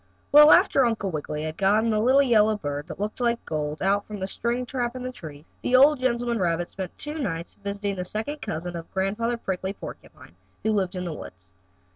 Well, after Uncle Wiggily had gotten the little yellow bird, that looked like gold, out from the string trap in the tree, the old gentleman rabbit spent two nights visiting a second cousin of Grandfather Prickly Porcupine, who lived in the woods.